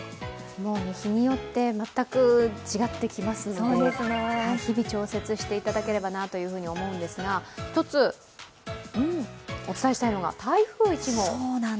日によって全く違ってきますので日々調節していただければと思うんですが、一つ、お伝えしたいのが台風１号。